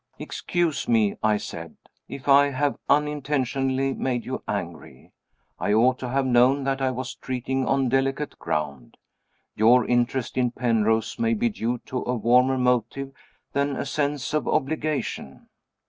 "Excuse me," I said, "if I have unintentionally made you angry. I ought to have known that I was treading on delicate ground. Your interest in Penrose may be due to a warmer motive than a sense of obligation."